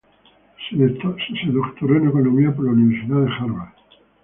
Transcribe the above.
Se doctoró en Economía por la Universidad de Harvard.